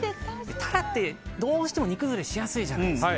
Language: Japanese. タラってどうしても煮崩れしやすいじゃないですか。